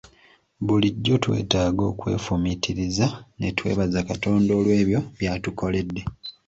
Bulijjo twetaaga okwefumiitiriza ne twebaza Katonda olw'ebyo byatukoledde.